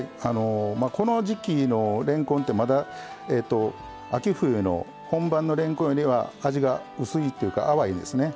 まあこの時季のれんこんってまだ秋冬の本番のれんこんよりは味が薄いというか淡いですね。